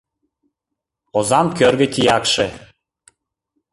Озан кӧргӧ тиякше